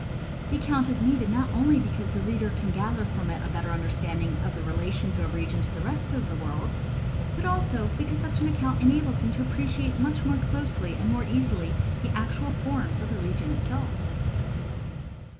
The account is needed not only because the reader can gather from it a better understanding of the relations of a region to the rest of the world, but also because such an account enables him to appreciate much more closely and more easily the actual forms of the region itself.